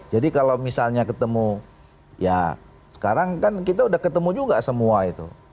jadi kalau misalnya ketemu ya sekarang kan kita udah ketemu juga semua itu